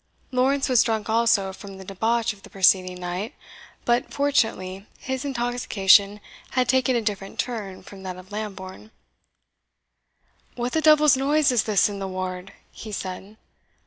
Lawrence was drunk also from the debauch of the preceding night, but fortunately his intoxication had taken a different turn from that of Lambourne. "What the devil's noise is this in the ward?" he said.